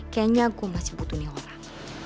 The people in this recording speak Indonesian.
kayaknya gue masih butuh nih orang